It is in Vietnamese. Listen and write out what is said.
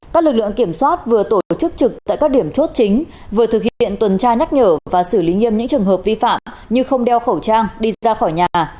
các lực lượng kiểm soát vừa tổ chức trực tại các điểm chốt chính vừa thực hiện tuần tra nhắc nhở và xử lý nghiêm những trường hợp vi phạm như không đeo khẩu trang đi ra khỏi nhà